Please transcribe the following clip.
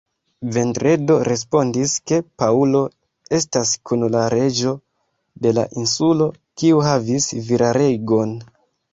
Vendredo respondis, ke Paŭlo estas kun la reĝo de la insulo, kiu havis viraregon.